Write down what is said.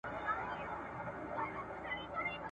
که ټکنالوژي پرمختګ وکړي اړیکې بدلیږي.